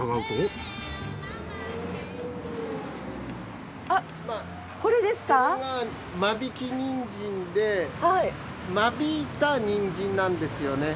今これが間引きニンジンで間引いたニンジンなんですよね。